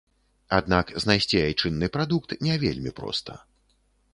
Аднак знайсці айчынны прадукт не вельмі проста.